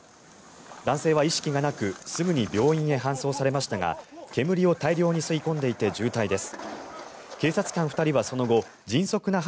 男性は意識がなくすぐに病院へ搬送されましたが煙を大量に吸い込んでいて重体です。